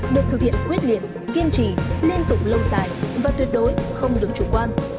được thực hiện quyết liệt kiên trì liên tục lâu dài và tuyệt đối không được chủ quan